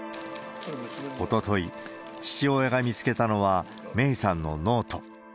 おととい、父親が見つけたのは芽生さんのノート。